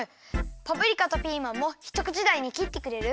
パプリカとピーマンもひとくちだいにきってくれる？